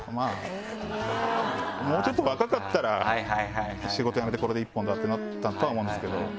もうちょっと若かったら仕事やめてこれで一本だってなったとは思うんですけど。